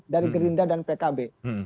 dari gerinda dan pkb